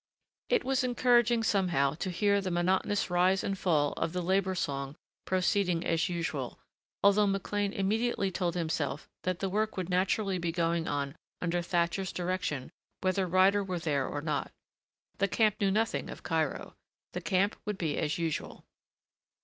It was encouraging, somehow, to hear the monotonous rise and fall of the labor song proceeding as usual, although McLean immediately told himself that the work would naturally be going on under Thatcher's direction whether Ryder were there or not. The camp knew nothing of Cairo. The camp would be as usual.